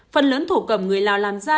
phần lớn thổ cầm người lào làm ra